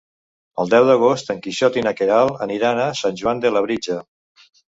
El deu d'agost en Quixot i na Queralt aniran a Sant Joan de Labritja.